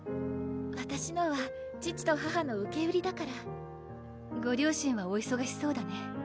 わたしのは父と母の受け売りだからご両親はおいそがしそうだね